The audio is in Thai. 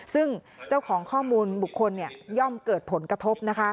ซึ่งเจ้าของข้อมูลบุคคลย่อมเกิดผลกระทบ